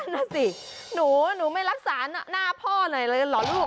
นั่นสิหนูหนูไม่รักษาหน้าพ่อเลยเหรอลูก